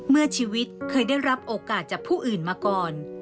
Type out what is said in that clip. เมื่อชีวิตเคยได้รับโอกาสจากผู้อื่นมาก่อน